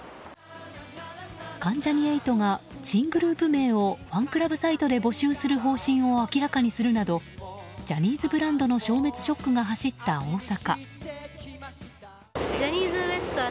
関ジャニ∞が新グループ名をファンクラブサイトで募集する方針を明らかにするなどジャニーズブランドの消滅ショックが走った大阪。